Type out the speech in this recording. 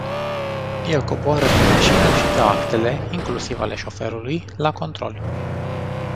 El coboară din mașină și dă actele, inclusiv ale șoferului, la control.